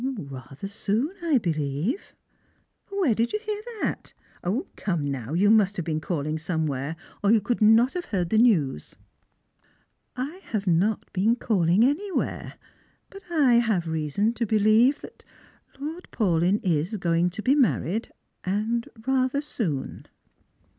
" Rather soon, I believe." " Where did you hear that ? Come now, you must have been calling somewhere, or you would not have heard the news." " I have not been calhnjf anywhere, but I have reason to Strangers and Filgrims. 259 believe Lord Paulyn is going to be married, and rather soon."